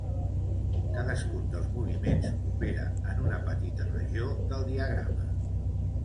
Cadascun dels moviments opera en una petita regió del diagrama.